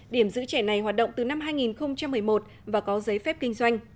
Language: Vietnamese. điểm giữ trẻ này hoạt động từ năm hai nghìn một mươi một và có giấy phép kinh doanh